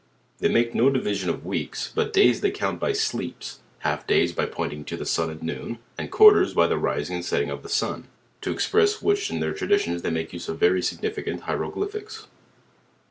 They make no division of weeks; but days they count by sleeps; half days by pointing to the bun at noon; and quar ters by the rising and setting of the sun: to express which in their traditions they make use of very significant hiero glyphics.